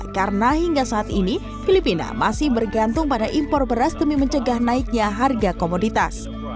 karena hingga saat ini filipina masih bergantung pada impor beras demi mencegah naiknya harga komoditas